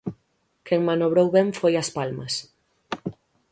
Quen manobrou ben foi As Palmas.